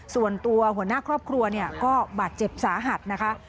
ส่วนตัวหัวหน้าครอบครัวก็บาดเจ็บสาหัสนะคะ